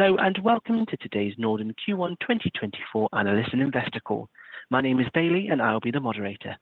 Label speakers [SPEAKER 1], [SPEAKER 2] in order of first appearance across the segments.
[SPEAKER 1] Hello and welcome to today's Norden Q1 2024 analyst and investor call. My name is Bailey and I'll be the moderator.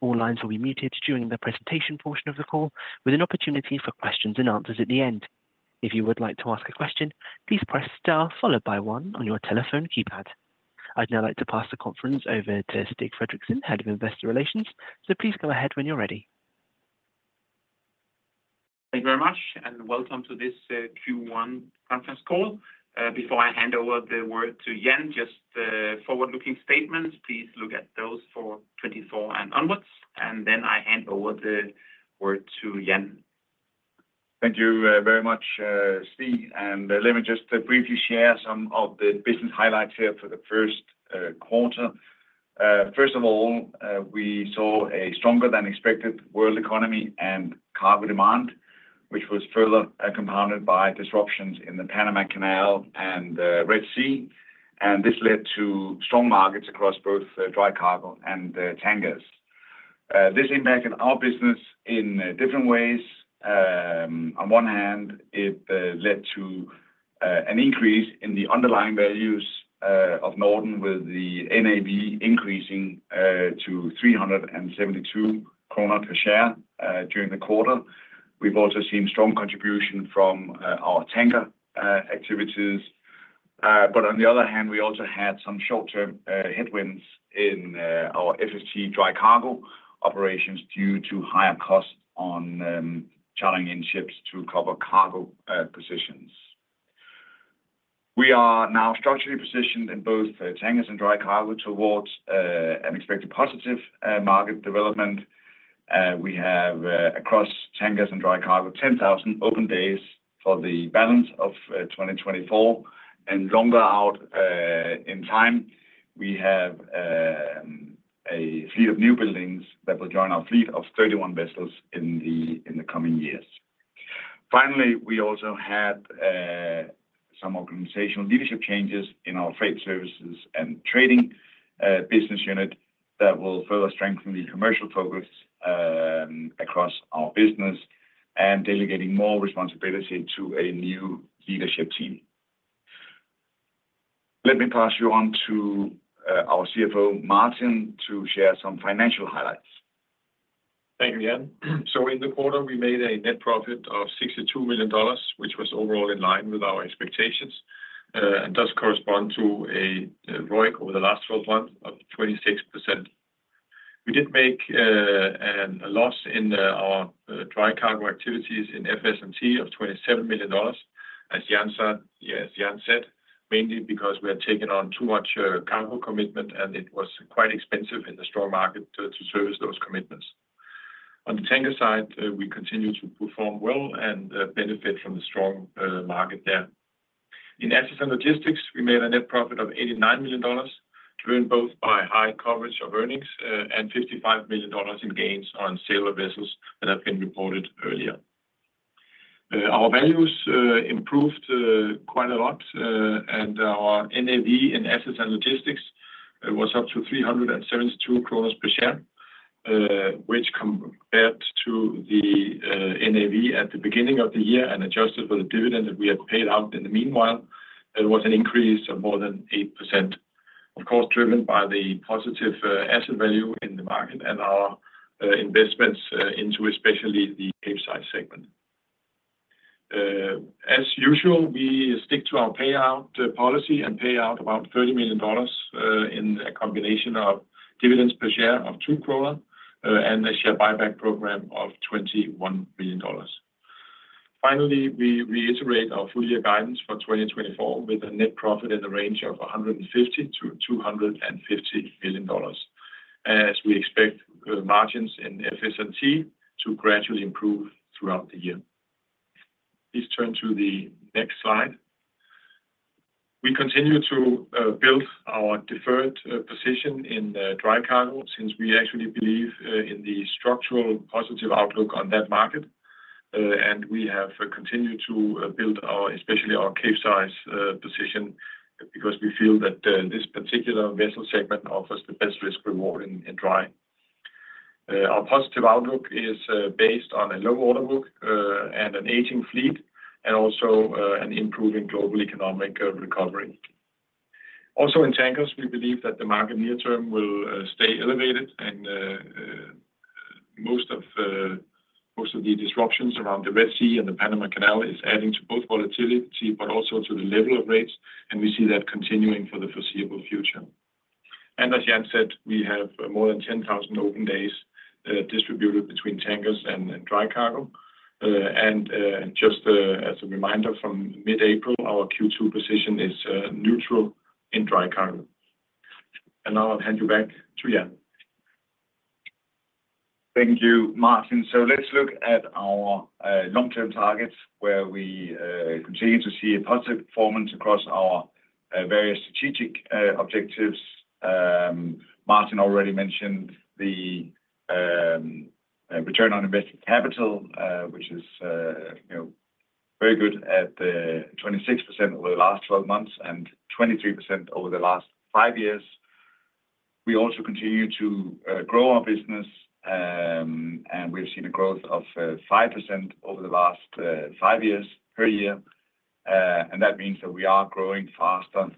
[SPEAKER 1] All lines will be muted during the presentation portion of the call, with an opportunity for questions and answers at the end. If you would like to ask a question, please press star followed by 1 on your telephone keypad. I'd now like to pass the conference over to Stig Frederiksen, head of investor relations, so please go ahead when you're ready.
[SPEAKER 2] Thank you very much, and welcome to this Q1 conference call. Before I hand over the word to Jan, just forward-looking statements. Please look at those for 2024 and onwards. And then I hand over the word to Jan.
[SPEAKER 3] Thank you very much, Stig. Let me just briefly share some of the business highlights here for the Q1. First of all, we saw a stronger-than-expected world economy and cargo demand, which was further compounded by disruptions in the Panama Canal and the Red Sea, and this led to strong markets across both dry cargo and tankers. This impacted our business in different ways. On one hand, it led to an increase in the underlying values of Norden, with the NAV increasing to 372 krone per share during the quarter. We've also seen strong contribution from our tanker activities. But on the other hand, we also had some short-term headwinds in our FS&T dry cargo operations due to higher costs on chartering in ships to cover cargo positions. We are now structurally positioned in both tankers and dry cargo towards an expected positive market development. We have, across tankers and dry cargo, 10,000 open days for the balance of 2024, and longer out in time, we have a fleet of newbuildings that will join our fleet of 31 vessels in the coming years. Finally, we also had some organizational leadership changes in our Freight Services and Trading business unit that will further strengthen the commercial focus across our business and delegating more responsibility to a new leadership team. Let me pass you on to our CFO, Martin, to share some financial highlights.
[SPEAKER 4] Thank you, Jan. So in the quarter, we made a net profit of $62 million, which was overall in line with our expectations and does correspond to a ROIC over the last 12 months of 26%. We did make a loss in our dry cargo activities in FS&T of $27 million, as Jan said, mainly because we had taken on too much cargo commitment and it was quite expensive in the strong market to service those commitments. On the tanker side, we continue to perform well and benefit from the strong market there. In Assets and Logistics, we made a net profit of $89 million earned both by high coverage of earnings and $55 million in gains on sale of vessels that have been reported earlier. Our values improved quite a lot, and our NAV in Assets & Logistics was up to 372 kroner per share, which compared to the NAV at the beginning of the year and adjusted for the dividend that we had paid out in the meanwhile, it was an increase of more than 8%, of course, driven by the positive asset value in the market and our investments into especially the Capesize segment. As usual, we stick to our payout policy and pay out about $30 million in a combination of dividends per share of 2 DKK and a share buyback program of $21 million. Finally, we reiterate our full-year guidance for 2024 with a net profit in the range of $150-$250 million, as we expect margins in FS&T to gradually improve throughout the year. Please turn to the next slide. We continue to build our deferred position in dry cargo since we actually believe in the structural positive outlook on that market, and we have continued to build especially our Capesize position because we feel that this particular vessel segment offers the best risk-reward in dry. Our positive outlook is based on a low order book and an aging fleet and also an improving global economic recovery. Also in tankers, we believe that the market near-term will stay elevated, and most of the disruptions around the Red Sea and the Panama Canal is adding to both volatility but also to the level of rates, and we see that continuing for the foreseeable future. And as Jan said, we have more than 10,000 open days distributed between tankers and dry cargo. And just as a reminder, from mid-April, our Q2 position is neutral in dry cargo. Now I'll hand you back to Jan.
[SPEAKER 3] Thank you, Martin. So let's look at our long-term targets, where we continue to see a positive performance across our various strategic objectives. Martin already mentioned the return on invested capital, which is very good at 26% over the last 12 months and 23% over the last 5 years. We also continue to grow our business, and we've seen a growth of 5% over the last 5 years per year, and that means that we are growing faster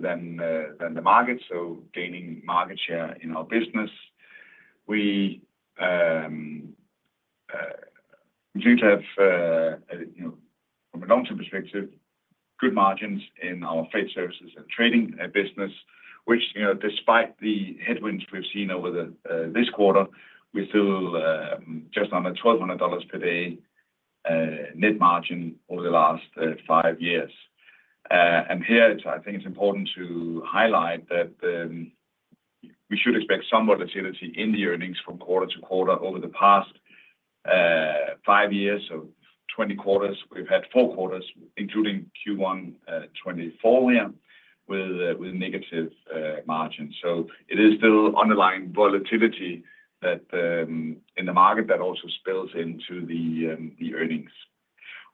[SPEAKER 3] than the market, so gaining market share in our business. We continue to have, from a long-term perspective, good margins in our Freight Services and Trading business, which despite the headwinds we've seen over this quarter, we're still just under $1,200 per day net margin over the last 5 years. Here, I think it's important to highlight that we should expect some volatility in the earnings from quarter-to-quarter over the past five years. Q20, we've had Q4, including Q1 2024 here, with negative margins. It is still underlying volatility in the market that also spills into the earnings.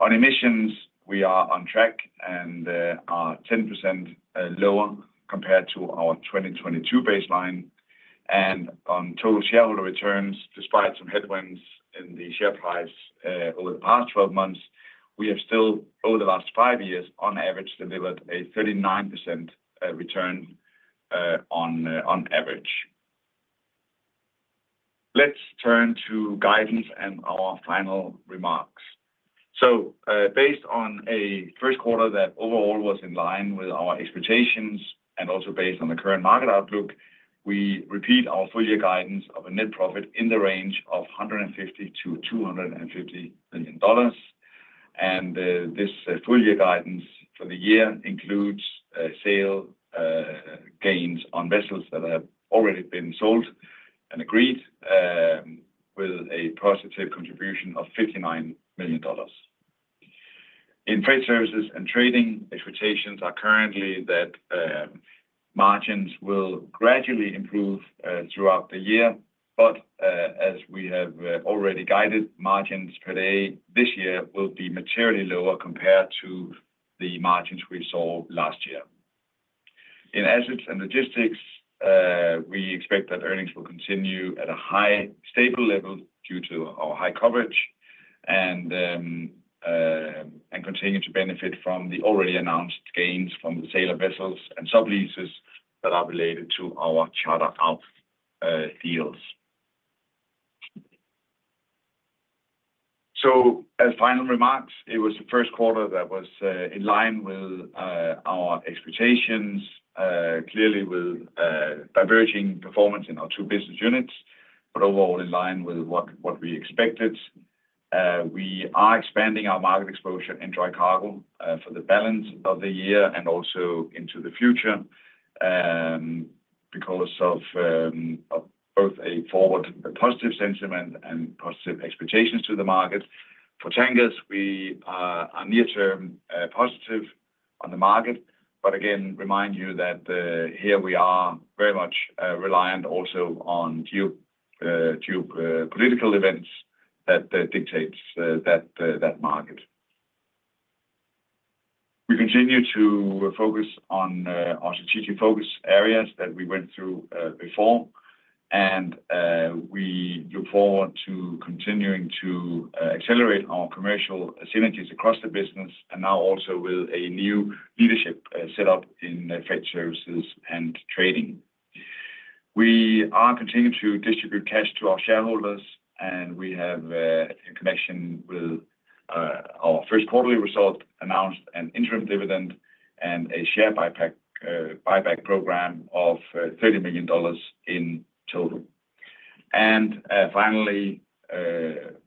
[SPEAKER 3] On emissions, we are on track and are 10% lower compared to our 2022 baseline. On total shareholder returns, despite some headwinds in the share price over the past 12 months, we have still, over the last five years, on average, delivered a 39% return on average. Let's turn to guidance and our final remarks. Based on a Q1 that overall was in line with our expectations and also based on the current market outlook, we repeat our full-year guidance of a net profit in the range of $150 million-$250 million. This full-year guidance for the year includes sale gains on vessels that have already been sold and agreed, with a positive contribution of $59 million. In Freight Services and Trading, expectations are currently that margins will gradually improve throughout the year, but as we have already guided, margins per day this year will be materially lower compared to the margins we saw last year. In Assets and Logistics, we expect that earnings will continue at a high stable level due to our high coverage and continue to benefit from the already announced gains from the sold vessels and subleases that are related to our charter-out deals. As final remarks, it was the Q1 that was in line with our expectations, clearly with diverging performance in our two business units, but overall in line with what we expected. We are expanding our market exposure in dry cargo for the balance of the year and also into the future because of both a forward positive sentiment and positive expectations to the market. For tankers, we are near-term positive on the market, but again, remind you that here we are very much reliant also on geopolitical events that dictate that market. We continue to focus on our strategic focus areas that we went through before, and we look forward to continuing to accelerate our commercial synergies across the business and now also with a new leadership setup in Freight Services and Trading. We are continuing to distribute cash to our shareholders, and we have a connection with our Q1 result announced, an interim dividend, and a share buyback program of $30 million in total. And finally,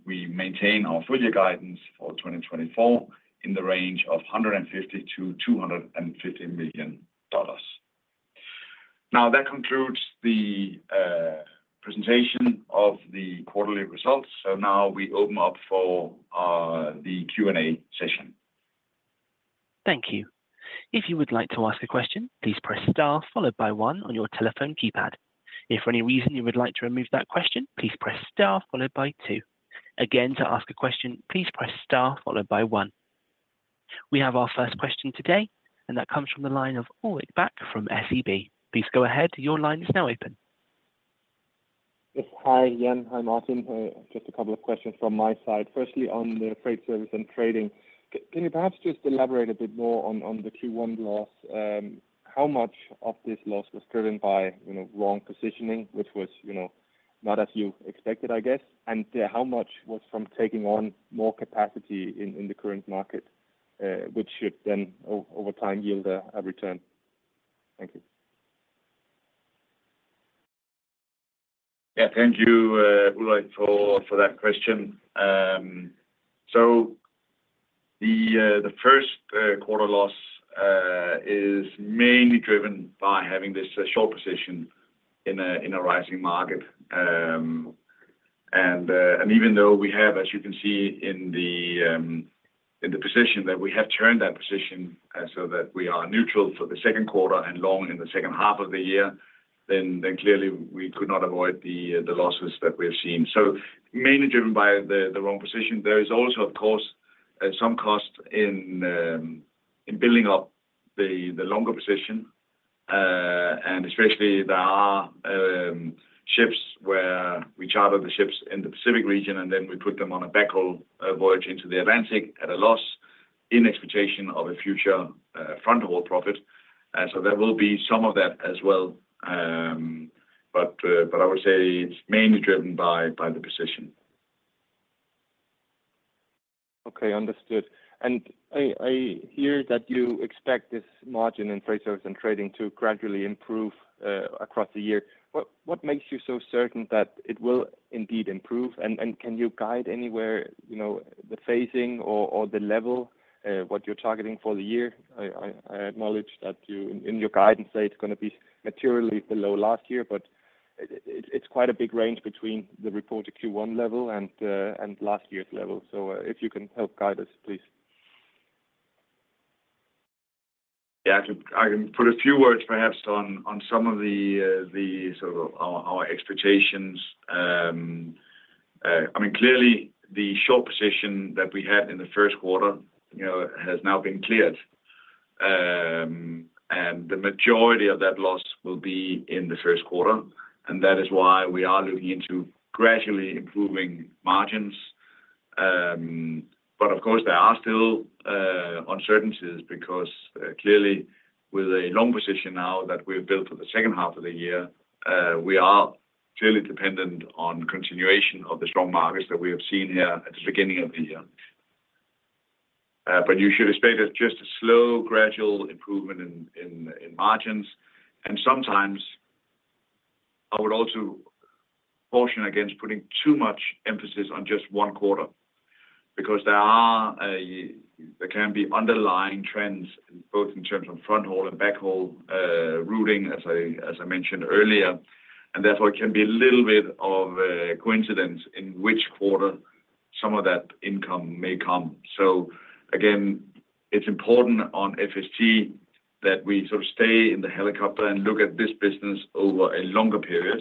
[SPEAKER 3] we maintain our full-year guidance for 2024 in the range of $150 million-$250 million. Now, that concludes the presentation of the quarterly results. So now we open up for the Q&A session.
[SPEAKER 1] Thank you. If you would like to ask a question, please press star followed by 1 on your telephone keypad. If for any reason you would like to remove that question, please press star followed by 2. Again, to ask a question, please press star followed by 1. We have our first question today, and that comes from the line of Ulrik Bak from SEB. Please go ahead. Your line is now open.
[SPEAKER 5] Hi, Jan. Hi, Martin. Just a couple of questions from my side. Firstly, on the freight service and trading, can you perhaps just elaborate a bit more on the Q1 loss? How much of this loss was driven by wrong positioning, which was not as you expected, I guess? And how much was from taking on more capacity in the current market, which should then, over time, yield a return? Thank you.
[SPEAKER 4] Yeah, thank you, Ulrik, for that question. So the Q1 loss is mainly driven by having this short position in a rising market. And even though we have, as you can see in the position, that we have turned that position so that we are neutral for the Q2 and long in the second half of the year, then clearly, we could not avoid the losses that we have seen. So mainly driven by the wrong position. There is also, of course, some cost in building up the longer position. And especially, there are ships where we charter the ships in the Pacific region, and then we put them on a backhaul voyage into the Atlantic at a loss in expectation of a future front-haul profit. So there will be some of that as well, but I would say it's mainly driven by the position.
[SPEAKER 5] Okay, understood. And I hear that you expect this margin in Freight Services and Trading to gradually improve across the year. What makes you so certain that it will indeed improve? And can you guide anywhere the phasing or the level, what you're targeting for the year? I acknowledge that in your guidance, say, it's going to be materially below last year, but it's quite a big range between the reported Q1 level and last year's level. So if you can help guide us, please.
[SPEAKER 4] Yeah, I can put a few words, perhaps, on some of the sort of our expectations. I mean, clearly, the short position that we had in the Q1 has now been cleared, and the majority of that loss will be in the Q1. That is why we are looking into gradually improving margins. Of course, there are still uncertainties because clearly, with a long position now that we have built for the second half of the year, we are clearly dependent on continuation of the strong markets that we have seen here at the beginning of the year. You should expect just a slow, gradual improvement in margins. Sometimes, I would also caution against putting too much emphasis on just Q1 because there can be underlying trends both in terms of front-haul and back-haul routing, as I mentioned earlier. Therefore, it can be a little bit of coincidence in which quarter some of that income may come. Again, it's important on FST that we sort of stay in the helicopter and look at this business over a longer period.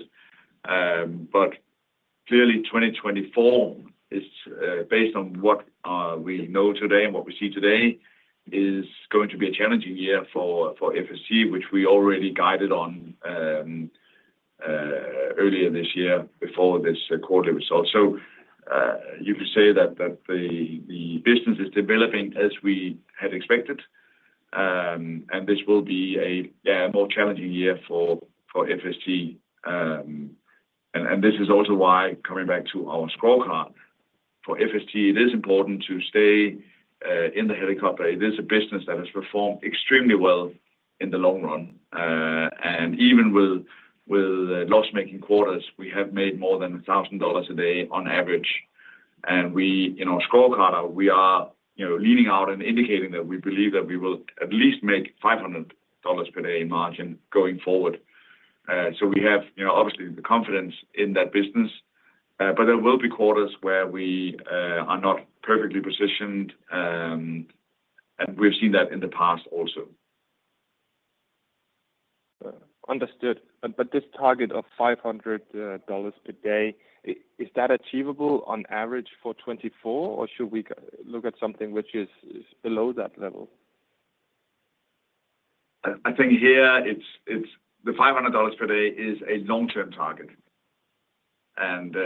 [SPEAKER 4] But clearly, 2024, based on what we know today and what we see today, is going to be a challenging year for FST, which we already guided on earlier this year before this quarterly result. You could say that the business is developing as we had expected, and this will be a more challenging year for FST. This is also why, coming back to our scorecard, for FST, it is important to stay in the helicopter. It is a business that has performed extremely well in the long run. Even with loss-making quarters, we have made more than $1,000 a day on average. And in our scorecard, we are leaning out and indicating that we believe that we will at least make $500 per day in margin going forward. So we have, obviously, the confidence in that business, but there will be quarters where we are not perfectly positioned, and we've seen that in the past also.
[SPEAKER 5] Understood. But this target of $500 per day, is that achievable on average for 2024, or should we look at something which is below that level?
[SPEAKER 4] I think here, the $500 per day is a long-term target. And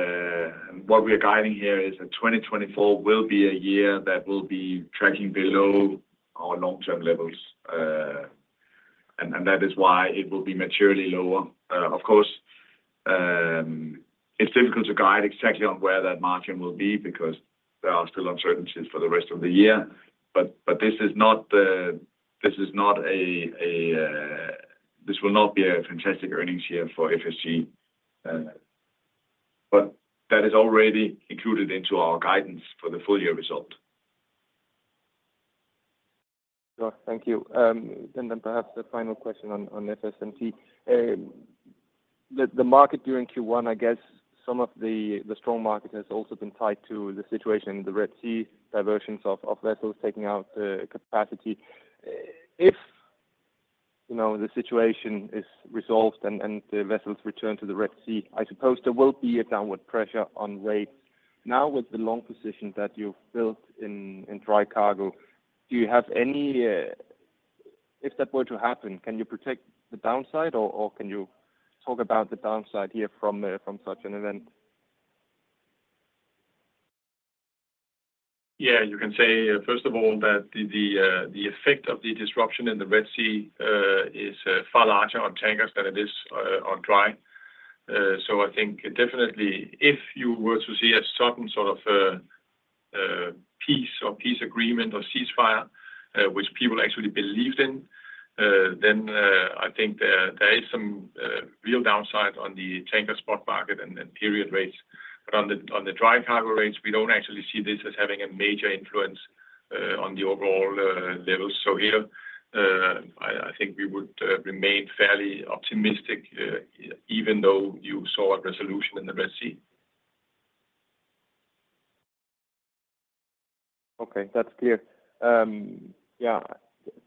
[SPEAKER 4] what we are guiding here is that 2024 will be a year that will be tracking below our long-term levels, and that is why it will be materially lower. Of course, it's difficult to guide exactly on where that margin will be because there are still uncertainties for the rest of the year. But this is not; this will not be a fantastic earnings year for FST, but that is already included into our guidance for the full-year result.
[SPEAKER 5] Sure. Thank you. And then perhaps the final question on FS&T. The market during Q1, I guess some of the strong market has also been tied to the situation in the Red Sea, diversions of vessels taking out capacity. If the situation is resolved and the vessels return to the Red Sea, I suppose there will be a downward pressure on rates. Now, with the long position that you've built in dry cargo, do you have any if that were to happen, can you protect the downside, or can you talk about the downside here from such an event?
[SPEAKER 4] Yeah, you can say, first of all, that the effect of the disruption in the Red Sea is far larger on tankers than it is on dry. So I think definitely, if you were to see a sudden sort of peace or peace agreement or ceasefire, which people actually believed in, then I think there is some real downside on the tanker spot market and period rates. But on the dry cargo rates, we don't actually see this as having a major influence on the overall levels. So here, I think we would remain fairly optimistic even though you saw a resolution in the Red Sea.
[SPEAKER 5] Okay, that's clear. Yeah,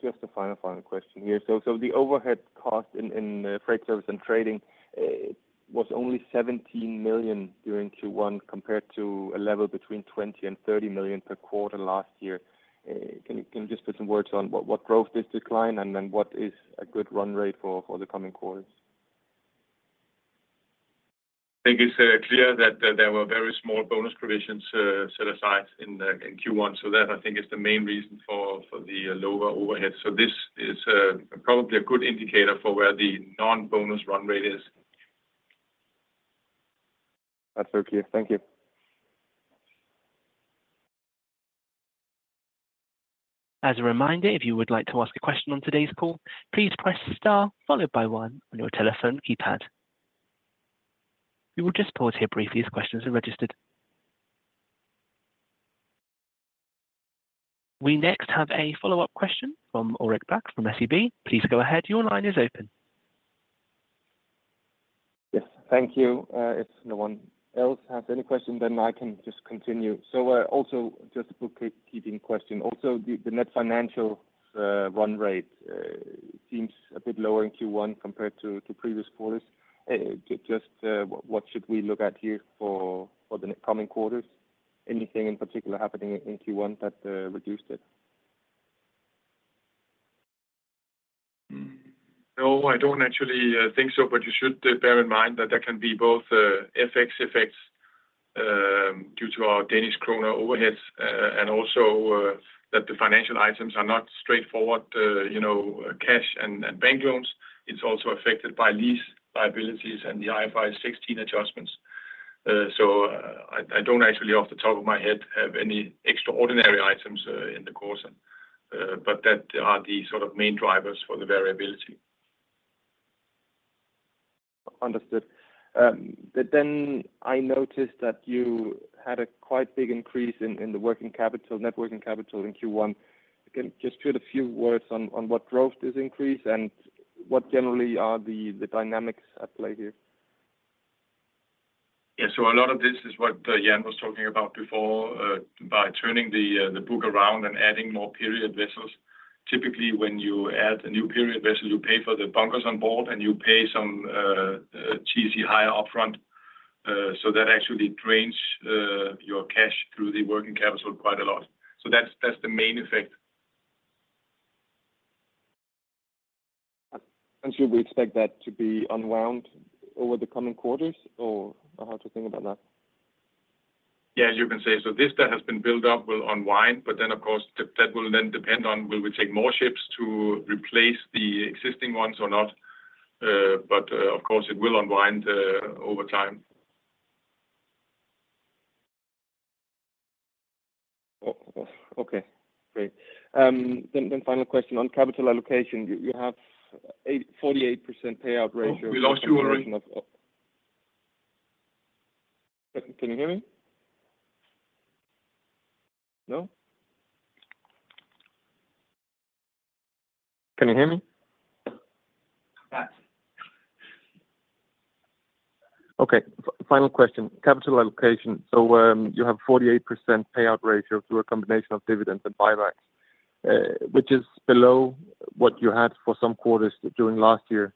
[SPEAKER 5] just a final, final question here. So the overhead cost in freight service and trading was only $17 million during Q1 compared to a level between $20 million and $30 million per quarter last year. Can you just put some words on what drove this decline, and then what is a good run rate for the coming quarters?
[SPEAKER 4] Thank you. So clear that there were very small bonus provisions set aside in Q1. So that, I think, is the main reason for the lower overhead. So this is probably a good indicator for where the non-bonus run rate is.
[SPEAKER 5] That's okay. Thank you.
[SPEAKER 1] As a reminder, if you would like to ask a question on today's call, please press star followed by 1 on your telephone keypad. We will just pause here briefly as questions are registered. We next have a follow-up question from Ulrik Bak from SEB. Please go ahead. Your line is open.
[SPEAKER 5] Yes, thank you. If no one else has any question, then I can just continue. So also, just a bookkeeping question. Also, the net financial run rate seems a bit lower in Q1 compared to previous quarters. Just what should we look at here for the coming quarters? Anything in particular happening in Q1 that reduced it?
[SPEAKER 2] No, I don't actually think so. But you should bear in mind that there can be both FX effects due to our Danish krone overheads and also that the financial items are not straightforward cash and bank loans. It's also affected by lease liabilities and the IFRS 16 adjustments. So I don't actually, off the top of my head, have any extraordinary items in the quarter, but that are the sort of main drivers for the variability.
[SPEAKER 5] Understood. But then I noticed that you had a quite big increase in the net working capital in Q1. Again, just put a few words on what drove this increase and what generally are the dynamics at play here?
[SPEAKER 2] Yeah, so a lot of this is what Jan was talking about before by turning the book around and adding more period vessels. Typically, when you add a new period vessel, you pay for the bunkers on board, and you pay some charter hire upfront. So that actually drains your cash through the working capital quite a lot. So that's the main effect.
[SPEAKER 5] Should we expect that to be unwound over the coming quarters, or how to think about that?
[SPEAKER 2] Yeah, you can say. So this that has been built up will unwind. But then, of course, that will then depend on will we take more ships to replace the existing ones or not. But of course, it will unwind over time.
[SPEAKER 5] Okay, great. Then final question on capital allocation. You have a 48% payout ratio.
[SPEAKER 2] We lost you already.
[SPEAKER 5] Can you hear me? No? Can you hear me? Okay, final question. Capital allocation. So you have a 48% payout ratio through a combination of dividends and buybacks, which is below what you had for some quarters during last year.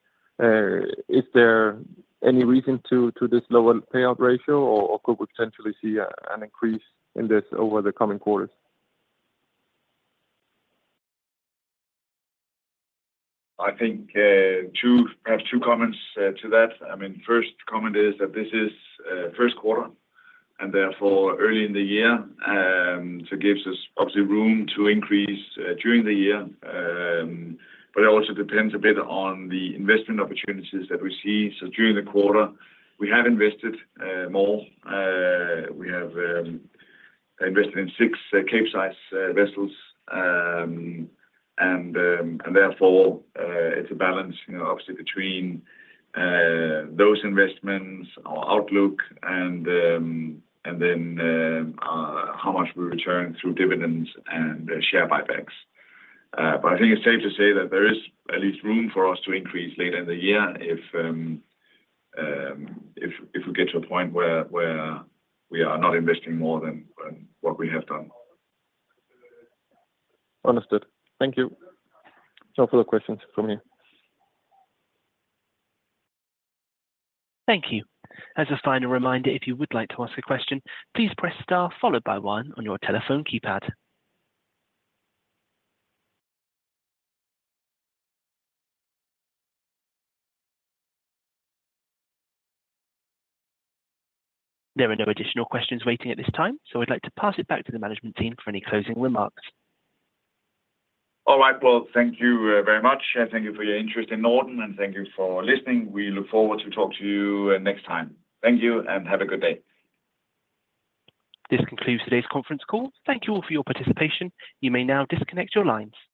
[SPEAKER 5] Is there any reason to this lower payout ratio, or could we potentially see an increase in this over the coming quarters?
[SPEAKER 2] I think perhaps two comments to that. I mean, first comment is that this is Q1, and therefore, early in the year, so gives us obviously room to increase during the year. But it also depends a bit on the investment opportunities that we see. So during the quarter, we have invested more. We have invested in six Capesize vessels, and therefore, it's a balance, obviously, between those investments, our outlook, and then how much we return through dividends and share buybacks. But I think it's safe to say that there is at least room for us to increase later in the year if we get to a point where we are not investing more than what we have done.
[SPEAKER 5] Understood. Thank you. No further questions from me.
[SPEAKER 1] Thank you. As a final reminder, if you would like to ask a question, please press star followed by 1 on your telephone keypad. There are no additional questions waiting at this time, so I'd like to pass it back to the management team for any closing remarks.
[SPEAKER 2] All right. Well, thank you very much. Thank you for your interest in Norden, and thank you for listening. We look forward to talking to you next time. Thank you, and have a good day.
[SPEAKER 1] This concludes today's conference call. Thank you all for your participation. You may now disconnect your lines.